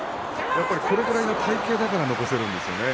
このぐらいの体形だから残せるんですよね。